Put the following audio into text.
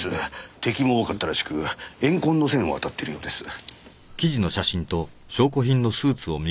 敵も多かったらしく怨恨の線を当たってるようです。